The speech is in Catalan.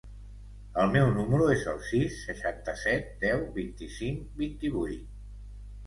El meu número es el sis, seixanta-set, deu, vint-i-cinc, vint-i-vuit.